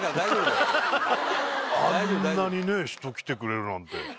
あんなにね人来てくれるなんて。